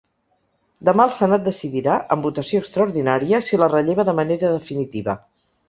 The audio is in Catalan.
Demà el senat decidirà, en votació extraordinària, si la relleva de manera definitiva.